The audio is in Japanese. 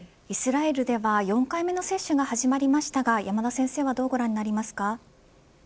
イスラエルでは４回目の接種が始まりましたが山田先生はどうご覧になりますか。